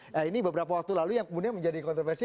nah ini beberapa waktu lalu yang kemudian menjadi kontroversi